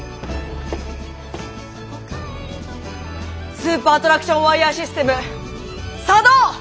スーパートラクションワイヤーシステム作動！